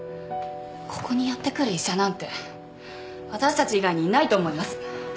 ここにやって来る医者なんて私たち以外にいないと思います。